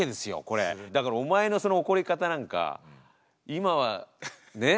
だからお前のその怒り方なんか今はね